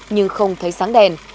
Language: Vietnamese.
nhưng không thấy sáng đèn